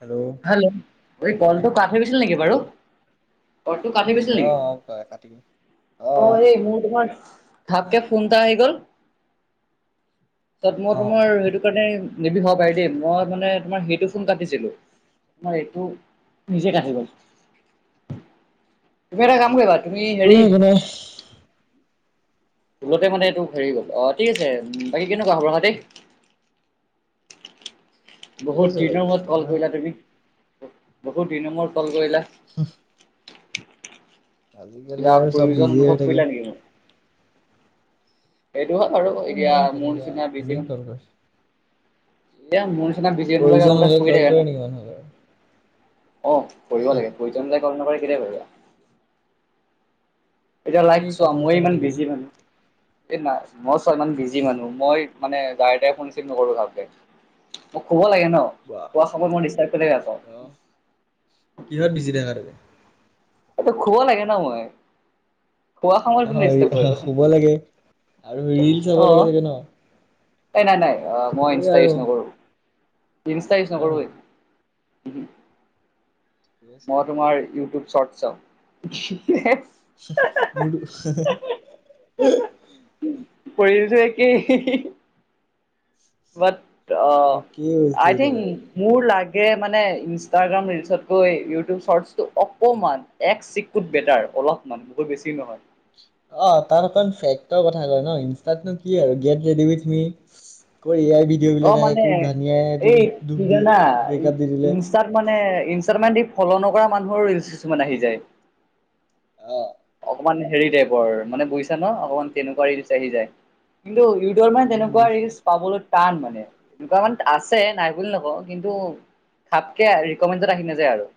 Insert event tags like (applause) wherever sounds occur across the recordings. Hello. Hello এই কলটো কাত হৈ গৈছিল নেকি বাৰু। হেল্ল' কলটো কাাটি গৈছিল অ নেকি, কয় কাটি অ' এই মোৰ তোমাৰ ঘাপকে ফোন এটা আহি গ'ল তাত মই অ তোমাৰ সেইটো কাৰণে নিবি হ'ব পাৰে দেই মই মানে তোমাৰ সেইটো ফোন কাটিছিলোঁ। তোমাৰ এইটো নিজে কাটি গ'ল। তুমি এটা কাম কৰিবা। তুমি হেৰি (unintelligible) ভুলতে মানে এইটো হেৰি গ'ল, অ ঠিক আছে বাকী কেনেকুৱা খবৰ খাতি? (inaudible) বহুত আছে দিনৰ বাকী মূৰত কল তোমাৰ কৰিলা তুমি, বহুত দিনৰ মূৰত কল কৰিলা। (unintelligible) আজিকালি কিবা আৰু চব প্ৰয়োজন বিজিয়ে অনুভৱ হৈ থাকে। কৰিলা নেকি সেইটোৱে আৰু নাই এতিয়া নাই মোৰ তেনেকুৱা নিচিনা এনেই বিজি মানুহ। কল কৰে এইয়া মোৰ নিচিনা ফিজি মানুহ প্ৰয়োজন হলে এনিটাইম শুই কল থাকো কৰে ন। নেকি মানুহ বাৰু অ কৰিব লাগে প্ৰয়োজন চাই কল নকৰি কেতিয়া কৰিবা? এতিয়া লাইক এনেই চোৱা কথা মই চথা ইমান পাতিবলৈ বিজি মানুহ। এই নাই মই চোৱা ইমান বিজি মানুহ মই মানে যাৰ তাৰ ফোন ৰিচিভ নকৰো ভালকে। মোক ক'ব লাগে ন, বাহ শুৱা সময়ত ডিষ্টাৰ্ব কেনেকে আক অ কিহত বিজি থাকা তুমি? এইটো শুব লাগে ন মই। শুৱা সময়ত কোনে ডিষ্টাৰ্ব কৰে অ কোৱাচোন শুব লাগে আৰু ৰিল চাব অ লাগে চাগে ন? এই নাই নাই মই সেইটোয়ে ইনষ্টা আৰু ইউজ নকৰোঁ ইনষ্টা ইউজ হয় নকৰোৱে। নেকি মই তোমাৰ ইউটিউব শৰ্ট চাও - (unintelligible) পৰে যে একেই। বাট একেই বস্তু আই থিংক - মোৰ লাগে মানে ইনষ্টাগ্ৰাম ৰিলচতকৈ ইউটিউব শৰ্টছটো অকমান - এক চিকুট বেটাৰ অলপমান বহুত বেছি নহয়। অ তাৰ অকণ ফেকটৰ কথা কয় ন ইনষ্টাতনো কি আৰু গেট ৰেডি ইউথ মি। ক এ আই ভিডিঅ' অ' বিলাক আহে মানে ক ধনিয়াইো তোক দুখ দি ব্ৰেকআপ দি দিলে। তাত মানে ইনষ্টাআইডিত ফ্লু নকৰা মানুহৰো ৰিলচ কিছুমান আহি যায়। অ। অকমান হেৰি টাইপৰ মানে বুজিছা ন অকণমান তেনেকুৱা ৰিলচ আহি যায়। কিন্তু ইউটিউবৰ মানে বুজিছো তেনেকুৱা বুজিছো ৰিলচ পাবলৈ - টান মানে, এনেকুৱা মানে আছে নাই বুলি নকওঁ কিন্তু - ফাতকে ৰিকমেণ্ডড আহি নাযায় আৰু।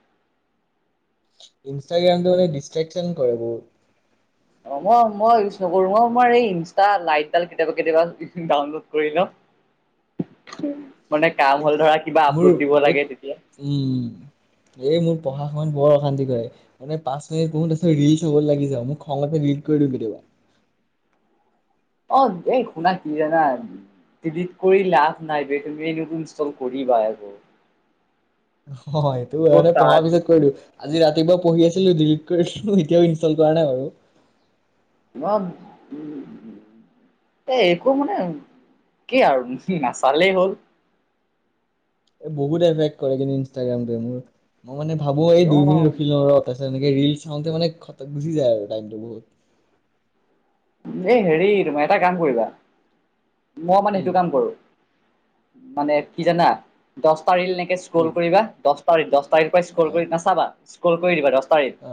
ইনষ্টাগ্ৰামটো ডিষ্টট্ৰেকশ্যন কৰে বহুত। অ মই মই ইউজ নকৰো মই ম‌ই এই ইনষ্টা লাইটডাল কেতিয়াবা কেতিয়াবা ডাউনলোড কৰি ল‌ও। (inaudible) মানে কাম হ'ল ধৰা কিবা মোৰ আপলোড দিব এই লাগে তেতিয়া। উম, এই মোৰ পঢ়া সময়ত বৰ অশান্তি কৰে। মানে পাঁচ মিনিট পঢ়ো তাৰপিত ৰিল হ'ব লাগি যাও মই খংতে ডিলিট কৰি দিও কেতিয়াবা। অ এই শুনা কি জানা? ডিলিট কৰি লাভ নাই বে তুমি এনেও চোন ইনষ্টল কৰিবা আকৌ। অ এইটো পঢ়াৰ ত' এনেই তাত পিছত কৰি দিওঁ। আজি ৰাতিপুৱা পঢ়ি আছিলো ডিলিট কৰি দিলো এতিয়াও ইনষ্টল কৰা নাই বাৰু। (unintelligible) এ একো মানে কি আৰু নাচালেই হ'ল। এই বহুত এফেক্ট কৰে কিন্তু ইনষ্টাগ্ৰামটোৱে মোৰ মই মানে ভাবো এই অ দুই মিনট ৰখিল‌ও ৰ- তাৰপিছত এনেকে ৰিল চাওঁতে মানে গুচি যায় আৰু টাইমটো বহুত। (unintelligible) এই হেৰি তুমি এটা কাম কৰিবা, মইও কি মানে সেইটো কাম কৰোঁ। (unintelligible) মানে কি জানা দহটা ৰিল এনেকে কি স্ক্ৰল কৰিবা। দহ (unintelligible) দহটা ৰিল। ‌ দহটা ৰিল পৰা অ স্ক্ৰল কৰি নাচাবা। স্ক্ৰল কৰি দিবা দহটা ৰিল (unintelligible) অ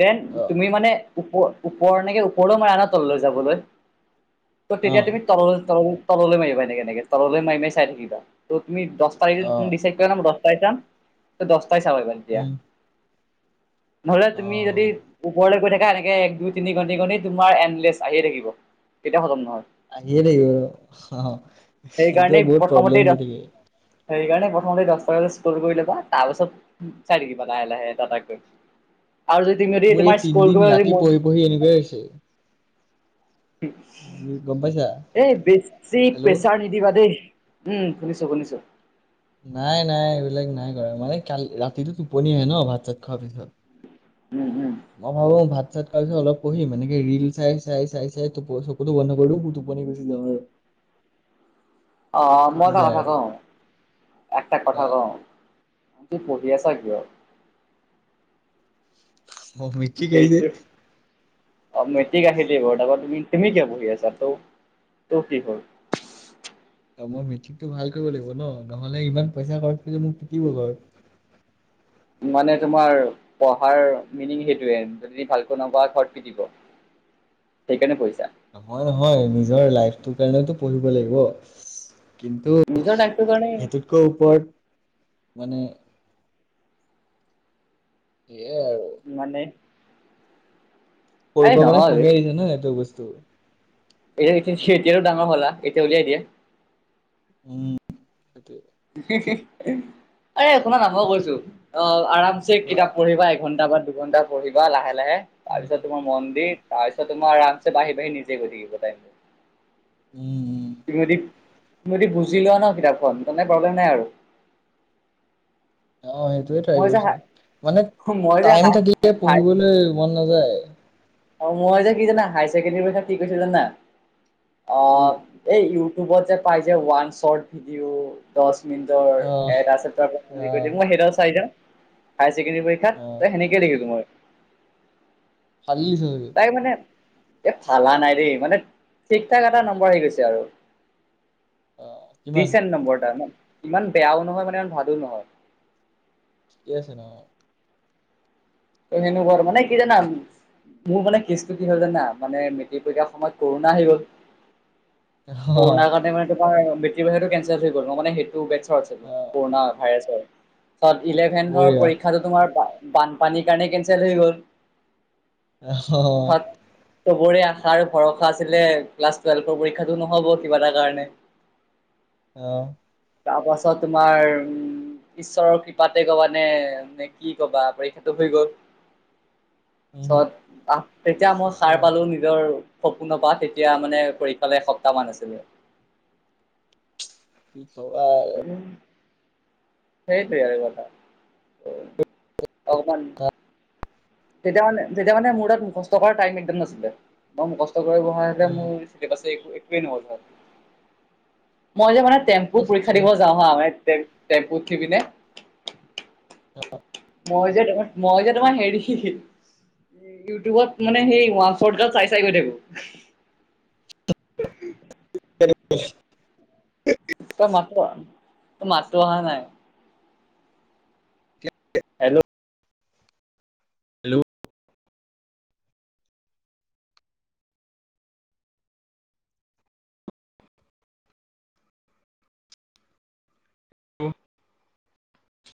দেন অ তুমি মানে ওপ (unintelligible) ওপৰ এনেকে ওপৰলৈ মাৰা ন তললৈ যাবলৈ (unintelligible) ত অ তেতিয়া তুমি তললৈ (unintelligible) তললৈ মাৰিবা এনেকে-এনেকে তললৈ মাৰি-মাৰি চাই থাকিবা। (unintelligible) ত তুমি দহটা ৰিল অ ডিচাইড কৰিবা ন দহটা চাম। ত দহটাই চাব পাৰিবা। (unintelligible) উম (inaudible) নহলে অ তুমি যদি ওপৰলৈ গৈ থাকা এনেকে এক, দুই, তিনি গণি-গণি (unintelligible) তোমাৰ এনলেছ আহিয়ে থাকিব, কেতিয়া খতম নহয়। (unintelligible) আহিয়ে থাকিব আৰু অঁ (unintelligible) সেইকাৰণেই সেইটোৱেই বহুত প্ৰথমতেই প্ৰব্লেম দহ দি থাকে। সেইকাৰণে প্ৰথমতে দহটা ৰিল স্ক্ৰল কৰি লবা তাৰ পাছত (unintelligible) চাই থাকিবা লাহে-লাহে এটা-এটাকৈ আৰু যদি তুমি যদি তোমাৰ স্ত্ৰল কৰিব যদি মন (unintelligible) মোৰ সেই এনেকুৱাই হৈছে। (inaudible) গম পাইছা (unintelligible) এই বেছি হেল্ল' প্ৰেছাৰ নি নিদিবা দেই। উম! শুনিছোঁ-শুনিছোঁ। (inaudible) নাই-নাই, এইবিলাক নাই কৰা মানে কালি ৰাতিটো টোপনি আহে ন, ভাত-চাত খোৱাৰ পিছত। (unintelligible) উম-উম। (unintelligible) মই ভাবো ভাত-চাত খাই অলপ পঢ়িম, এনেকে ৰিল চাই-চাই-চাই-চাই (unintelligible) ত চকুতো বন্ধ কৰোঁ (unintelligible) টোপনি গুচি যাওঁ আৰু। (inaudible) অঁ মই থাকি এটা যায় কথা আৰু কওঁ? একটা কথা কওঁ? (unintelligible) তুমি পঢ়ি আছা কিয়? (inaudible) অঁ মিকি (unintelligible) যে। অঁ মেট্ৰিক আহিলেই বাৰু তাৰপৰা তুমি-তুমি কিয় পঢ়ি আছা? তৌ তোৰ কি হ'ল? (unintelligible) ত মই মেট্ৰিকটো ভাল কৰিব লাগিব ন, নহলে ইমান পইচা খৰচ কৰিছে মোক পিটিব ঘৰত। (unintelligible) মানে তোমাৰ পঢ়াৰ মিনিং সেইটোৱে যদি ভালকৈ নপঢ়া ঘৰত (unintelligible) দিব (inaudible) সেইকাৰণে পঢ়িছা? নহয়-নহয় নিজৰ লাইফটোৰ কাৰণেতো পঢ়িব লাগিব। (inaudible) কিন্তু নিজৰ লাইফটোৰ কাৰণে সেইটোতকৈ ওপৰত মানে (inaudible) এ (unintelligible) মানে? (unintelligible) সৰুৰ এই পৰা মানে নহয় খুবেই আহিছে ন এইটো বস্তু। (unintelligible) এতিয়া (unintelligible) এতিয়াটো ডাঙৰ হলা, এতিয়া উলিয়াই দিয়া। (unintelligible) উম! সেইটোৱেই। (inaudible) উ (unintelligible) আৰে অকনমান আৰম্ভ কৰিছোঁ। অ! আৰামছে কোৱা কিতাপ পঢ়িবা এঘণ্টা বা দুঘণ্টা পঢ়িবা লাহে-লাহে। (unintelligible) তাৰ উম পিছত তোমাৰ (unintelligible) মন্দিৰ তাৰপিছত তোমাৰ আৰামছে বাঢ়ি-বাঢ়ি নিজে গৈ থাকিব দে। উম-উম। (inaudible) তুমি যদি (inaudible) তুমি যদি বুজি লোৱা ন কিতাপখন তাৰমানে প্ৰব্লেম নাই আৰু। (unintelligible) অঁ! সেইটোৱেই ট্ৰাই মই যে কৰিছোঁ। মানে মই যে টাইম থাকিলে পঢ়িবলৈ মন নাযায়। (unintelligible) অঁ! মই যে কি জানা হায়াৰ ছেকেণ্ডাৰী পিছত কি কৰিছোঁ জানা? কি অঁ (unintelligible) এই ইউটিউবত যে পাই যে ওৱান শ্বৰ্ট ভিডিঅ' (unintelligible) দহ মিনিটৰ আহ এট আছে (unintelligible) বুলি কৈ আহ দিয়ে। মই সেইটো চাই যাওঁ হাইছেকেণ্ডাৰী পৰীক্ষা (unintelligible) আহ পৰীক্ষাত ত সেনেকেই লিখিলোঁ মই। (unintelligible) ফালিলি (unintelligible) তই (unintelligible) তাই মানে এ ফালা নাই ৰেই মানে ঠিক ঠাক এটা নম্বৰ আহি গৈছে। আৰু (inaudible) কিমান দিচেণ্ট নম্বৰটা মানে ইমান বেয়াও নহয় মানে ইমান ভালো নহয়। ঠিকে আছে ন ত হেনুকৰৰ্ম মানে কি ৰানা। মোৰ মানে কেছটো কি হ'ল জানা মানে মেটিক পৰিক্ষাৰ সময়ত কৰোণা আহি গ'ল। অ কৰোণাৰ অ কাৰণে মানে তোৰ মেট্ৰিক পৰীক্ষাটো কেনচেল হৈ গ'ল ন মানে সেইটো। টো বেটচৰ আছিলো পোৰানা পোৰনা ভাইৰাৰ্ষ্ট হয়। চব ইলেভেট বঢ়িয়া। পৰীক্ষা যে তোমাৰ বান পানীৰ কাৰণে কেনঞ্চেল হৈ গ'ল। তাত অ চবৰে আশা আৰু ভৰসা আছিলে ক্লাছ টুৱেলভৰ পৰীক্ষাতটো নহব কিবা এটা কাৰণে। আহ তাৰপাছত তোমাৰ উম- ঈশ্বৰৰ কৃপাতে কবা নে নে কি কবা পৰীক্ষা। হৈ গল তেতিয়া মই সাৰ পালো নি নিজৰ সপোনৰ পৰা তেতিয়া মানে পৰীক্ষালৈ এসপ্তাহ মান আছিলে। কি কবা। সেইটোৱে আৰু কথা অকমান। তেতিয়া মানে তেতিয়া মানে মোৰ তাত মুখষ্ট কৰা টাইম একদম নাছিলে বাই মুখষ্ট কৰিবা মোৰ। তাৰপাছে একোৱে নহ'ল মই যে মানে টম্পু পৰীক্ষা দিব যাওঁ। হ তে তেম পুট উঠিকিনে। অ মই যে তোমাৰ মই যে তোমাৰ হেৰি। ইউটিউবত মানে সেই ওৱান শৰ্ট গ চাই চাই গৈ থাকো। খ (unintelligible) মাতো অ মাতো অহা নাই। এক হেল্ল' হেল্ল' উ (unintelligible)